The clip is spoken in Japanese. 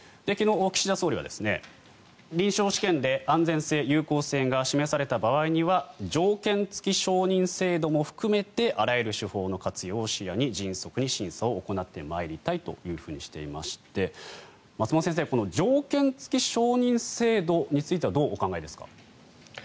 昨日、岸田総理は臨床試験で安全性、有効性が示された場合には条件付き承認制度も含めてあらゆる手法の活用を視野に迅速に審査を行ってまいりたいとしていまして松本先生条件付き承認制度についてはどうお考えですか？